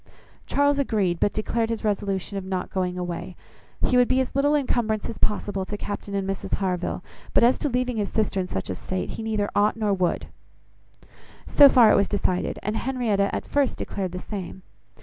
Charles agreed, but declared his resolution of not going away. He would be as little incumbrance as possible to Captain and Mrs Harville; but as to leaving his sister in such a state, he neither ought, nor would. So far it was decided; and Henrietta at first declared the same.